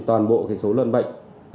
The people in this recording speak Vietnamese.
toàn bộ số lợn bệnh